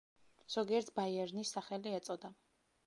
ზოგიერთს ბაიერნის სახელი ეწოდა.